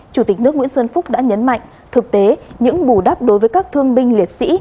chủ tịch nước nguyễn xuân phúc đã nhấn mạnh thực tế những bù đắp đối với các thương binh liệt sĩ